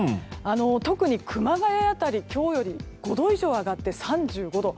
特に熊谷辺り、今日より５度以上上がって３５度。